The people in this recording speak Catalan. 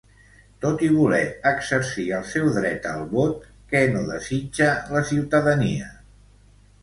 Tot i voler exercir el seu dret al vot, què no desitja la ciutadania?